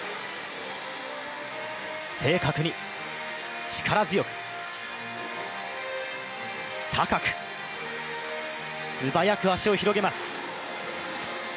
正確に、力強く、高く、素早く足を広げます。